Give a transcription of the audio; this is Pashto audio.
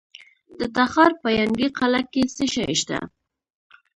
د تخار په ینګي قلعه کې څه شی شته؟